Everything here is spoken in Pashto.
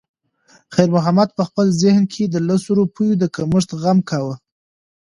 خیر محمد په خپل ذهن کې د لسو روپیو د کمښت غم کاوه.